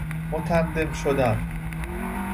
متندم شدن